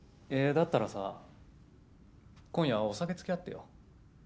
だったらさ今夜お酒つきあってよ。